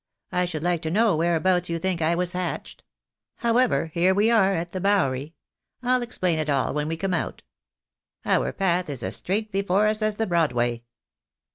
I should like to know whereabouts you think I was hatched ? However, here we are at the Bowery — ^I'll explain it all when we come out. Our path is as straight before us as the Broadway."